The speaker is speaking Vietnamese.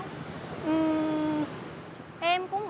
vâng đúng rồi